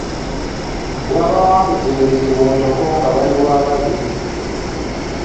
Gwabawanguza ebizibu ntoko nga bali bwababiri.